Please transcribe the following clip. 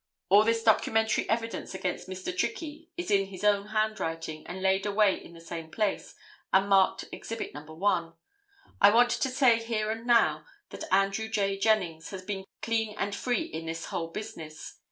All this documentary evidence against Mr. Trickey is in his own handwriting and laid away in the same place, and marked exhibit No. 1. I want to say here and now that Andrew J. Jennings has been clean and free in this whole business.